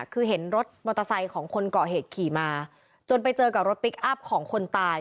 คือเห็นรถมอเตอร์ไซค์ของคนเกาะเหตุขี่มาจนไปเจอกับรถพลิกอัพของคนตาย